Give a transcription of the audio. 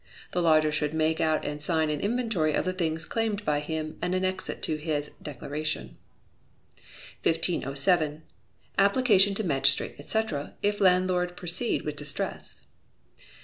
The lodger should make out and sign an inventory of the things claimed by him, and annex it to this declaration. 1507. Application to Magistrate, etc., if Landlord proceed with Distress.